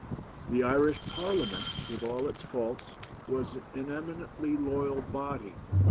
The Irish Parliament, with all its faults, was an eminently loyal body.